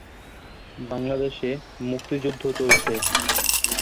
বাংলাদেশে মুক্তিযুদ্ধ চলছে।